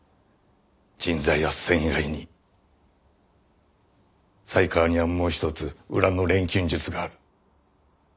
人材斡旋以外に犀川にはもう一つ裏の錬金術がある。